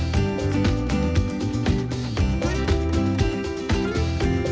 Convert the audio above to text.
jadi apa kali sih baca sih